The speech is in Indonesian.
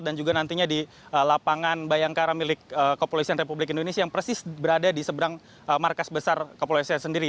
dan juga nantinya di lapangan bayangkara milik kepolisian republik indonesia yang persis berada di seberang markas besar kepolisian sendiri